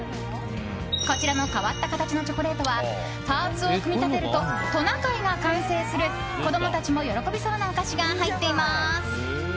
こちらの変わった形のチョコレートはパーツを組み立てるとトナカイが完成する子供たちも喜びそうなお菓子が入っています。